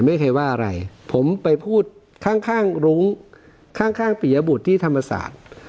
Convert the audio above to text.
ไม่เคยว่าอะไรผมไปพูดข้างรุ้งข้างปียบุตรที่ธรรมศาสตร์